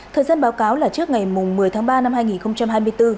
thời gian báo cáo là trước ngày một mươi tháng ba năm hai nghìn hai mươi bốn